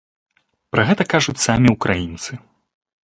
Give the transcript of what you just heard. Пра гэта кажуць самі ўкраінцы.